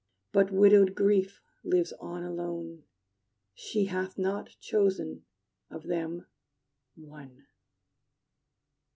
But widowed Grief lives on alone: She hath not chosen, of them, one.